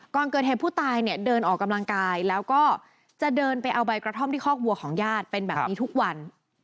ก่อนเกิดเหตุผู้ตายเนี่ยเดินออกกำลังกายแล้วก็จะเดินไปเอาใบกระท่อมที่คอกวัวของญาติเป็นแบบนี้ทุกวัน